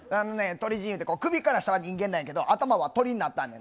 鳥人いうて首から下は人間なんやけど、頭は鳥になってんねん。